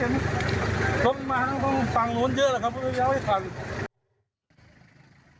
ต้องเห็นหมาใส่ทางโน้นเยอะหรือเปล่าเพราะว่าย้าวให้กัน